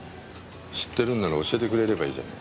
知ってるんなら教えてくれればいいじゃない。